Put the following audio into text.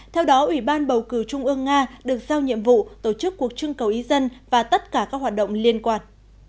theo đó ủy ban bầu cử trung ương nga được giao nhiệm vụ tổ chức cuộc trưng cầu ý dân và tất cả các hoạt động liên quan